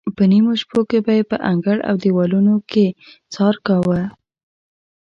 په نیمو شپو به یې په انګړ او دیوالونو کې څار کاوه.